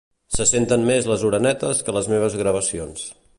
Se senten més les orenetes que les meves gravacions